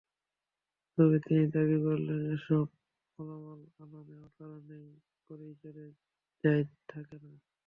তবে তিনি দাবি করলেন, এসব মালামাল আনা-নেওয়া করেই চলে যায়, থাকে না।